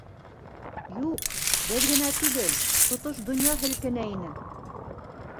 Юҡ, беҙ генә түгел, тотош донъя һелкенә ине.